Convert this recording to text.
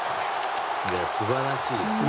素晴らしいですね